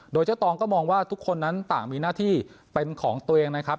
โดยเจ้าตองก็มองว่าทุกคนนั้นต่างมีหน้าที่เป็นของตัวเองนะครับ